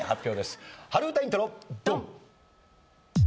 春うたイントロドン！